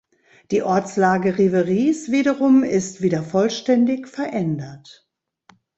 Die Ortslage Riveris wiederum ist wieder vollständig verändert.